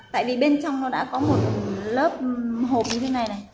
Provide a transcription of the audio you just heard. tại vì bên trong nó đã có một lớp hộp như thế này này